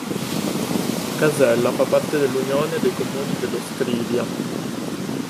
Casella fa parte dell'Unione dei comuni dello Scrivia.